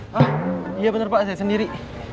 hah iya benar pak saya sendiri